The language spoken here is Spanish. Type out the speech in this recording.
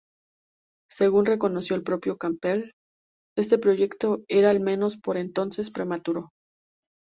Según reconoció el propio Campbell, este proyecto era al menos por entonces prematuro.